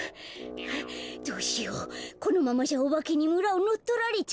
どうしようこのままじゃおばけにむらをのっとられちゃうよ。